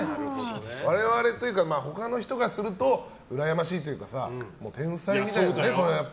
我々というか他の人からするとうらやましいというか天才みたいなね。